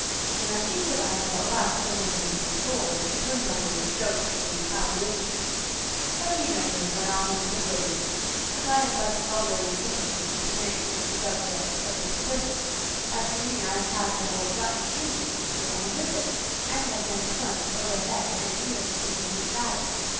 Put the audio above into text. When I think I have at last driven him to the sullens, he turns on me with jokes for retaliation: but you know him and all his iniquities, and I am but an elderly simpleton to make him the subject of this epistle. "As for me, I have had my old Bretton agent here on a visit, and have been plunged overhead and ears in business matters.